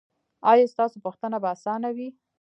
ایا ستاسو پوښتنه به اسانه وي؟